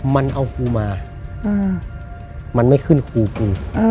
มันเอาครูมามันไม่ขึ้นครูกู